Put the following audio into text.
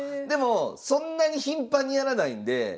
でもそんなに頻繁にやらないんで。